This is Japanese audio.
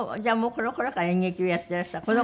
じゃあもうこの頃から演劇をやってらした？